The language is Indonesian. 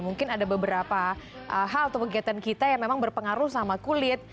mungkin ada beberapa hal atau kegiatan kita yang memang berpengaruh sama kulit